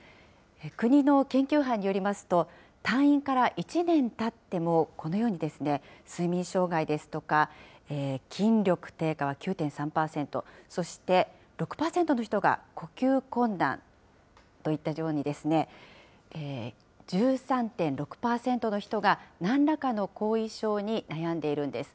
国の研究班によりますと、退院から１年たっても、このように睡眠障害ですとか、筋力低下は９．３％、そして６％の人が呼吸困難といったように、１３．６％の人が、なんらかの後遺症に悩んでいるんです。